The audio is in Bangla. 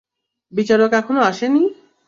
বিচারক এখনও আসেনি?